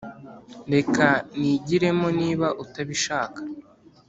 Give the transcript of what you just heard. reka nigiremo niba utabishaka.”